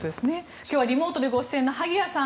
今日はリモートで参加の萩谷さん